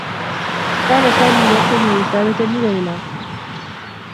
كان سامي يرقن رسالة لليلى.